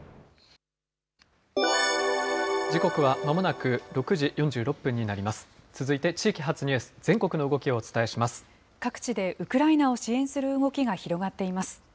時刻はまもなく６時４６分になります。